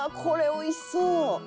これおいしそう！」